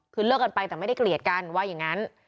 คือเลิกกันไปแต่ไม่ได้เกลียดกันว่าอย่างนั้น